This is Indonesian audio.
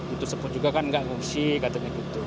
itu sepuh juga kan nggak ngungsi katanya gitu